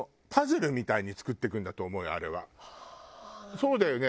そうだよね？